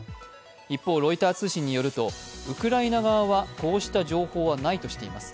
一方、ロイター通信によるとウクライナ側はこうした情報はないとしています。